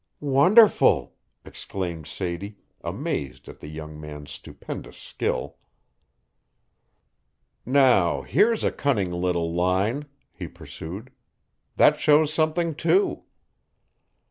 "Wonderful!" exclaimed Sadie, amazed at the young man's stupendous skill. "Now here's a cunning little line," he pursued. "That shows something too."